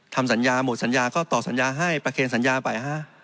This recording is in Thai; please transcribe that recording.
ทำสัญญาหมดสัญญาก็ต่อสัญญาให้ประเคนสัญญาไปฮะ